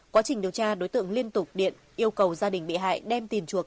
quá trình điều tra đối tượng liên tục điện yêu cầu gia đình bị hại đem tiền chuộc